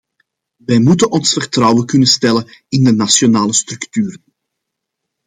Wij moeten ons vertrouwen kunnen stellen in de nationale structuren.